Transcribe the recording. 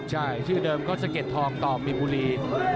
ใช่ชื่อเดิมก็สะเด็ดทองต่อมินบุรี